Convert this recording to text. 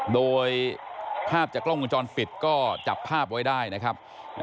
โดยภาพจากกล้องวงจรปิดก็จับภาพไว้ได้นะครับ